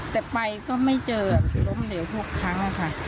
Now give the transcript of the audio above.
แต่ไปก็ไม่เจอล้มเหลวทุกครั้งค่ะ